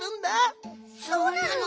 そうなの？